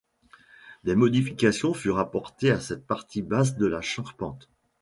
Des modifications furent apportées à cette partie basse de la charpente.